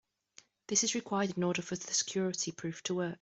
This is required in order for the security proof to work.